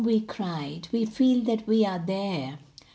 we cried; "We feel that we are there."